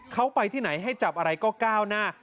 เขาไปที่ไหนให้จับอะไรก็ก้าวหน้า